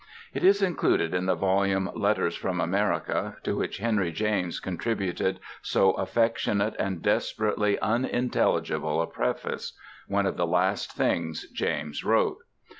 It is included in the volume Letters from America to which Henry James contributed so affectionate and desperately unintelligible a preface one of the last things James wrote.